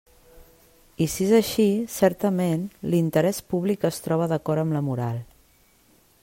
I si és així, certament, l'interès públic es troba d'acord amb la moral.